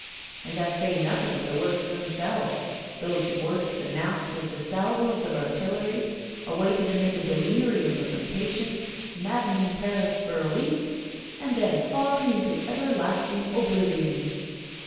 And I say nothing of the works themselves, those works announced with salvoes of artillery, awaited amid a delirium of impatience, maddening Paris for a week, and then falling into everlasting oblivion!